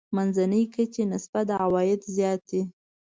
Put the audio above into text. منځنۍ کچې نسبت عوايد زیات دي.